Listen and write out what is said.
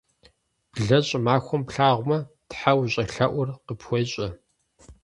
Блэ щӏымахуэм плъагъумэ, тхьэ ущӏелъэӏур къыпхуещӏэ.